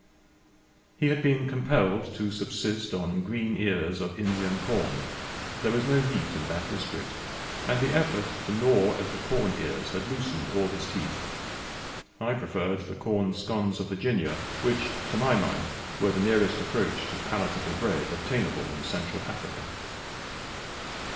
He had been compelled to subsist on green ears of Indian corn; there was no meat in that district; and the effort to gnaw at the corn ears had loosened all his teeth. I preferred the corn scones of Virginia, which, to my mind, were the nearest approach to palatable bread obtainable in Central Africa.